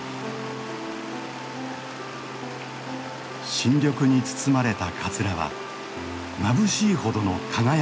新緑に包まれたカツラはまぶしいほどの輝きを放つ。